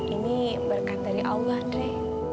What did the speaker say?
ini berkat dari allah deh